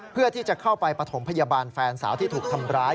เพื่อที่จะเข้าไปปฐมพยาบาลแฟนสาวที่ถูกทำร้าย